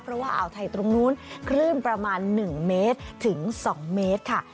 เพราะว่าอ่าวไทยตรงนู้นคลื่นประมาณ๑เมตรถึง๒เมตรค่ะ